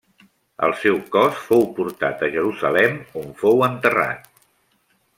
El seu cos fou portat a Jerusalem on fou enterrat.